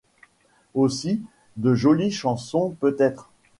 Aussi de jolies chansons, peut-être ?